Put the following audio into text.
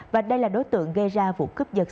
và đây là đối tượng gây ra vụ cướp giật